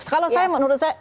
kalau saya menurut saya